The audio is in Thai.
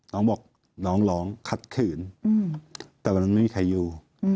น้องบอกน้องร้องคัดขืนแต่วันนั้นไม่มีใครอยู่